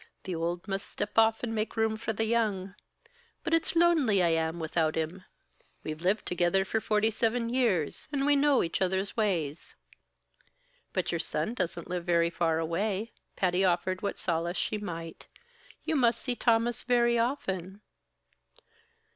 The owld must step off, an' make room for the young. But it's lonely I am without him! We've lived together for forty seven years, an' we know each other's ways." "But your son doesn't live very far away." Patty offered what solace she might. "You must see Thomas very often."